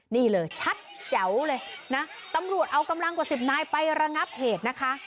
นี่เลยชัดแจ๋วเลยนะตำรวจเอากำลังกว่าสิบนายไประงับเหตุนะคะ